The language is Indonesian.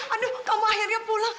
aduh kamu akhirnya pulang